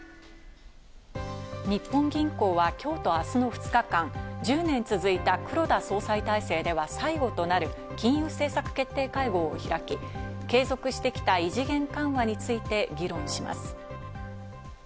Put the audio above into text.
日本銀行は今日と明日の２日間、１０年続いた黒田総裁体制では最後となる金融政策決定会合を開き、継続してきた異次元緩和について議論します。